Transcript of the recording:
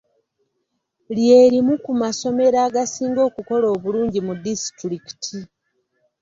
Lye limu ku masomero agasinga okukola obulungi mu disitulikiti.